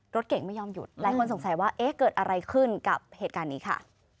รถเก่งไม่ยอมหยุดหลายคนสงสัยว่าเอ๊ะเกิดอะไรขึ้นกับเหตุการณ์นี้ค่ะ